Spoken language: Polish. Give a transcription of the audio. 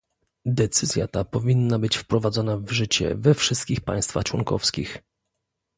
Decyzja ta powinna być wprowadzona w życie we wszystkich państwach członkowskich